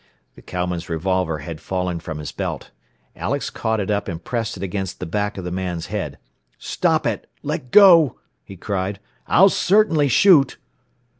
The cowman's revolver had fallen from his belt. Alex caught it up and pressed it against the back of the man's head. "Stop it! Let go!" he cried. "I'll certainly shoot!"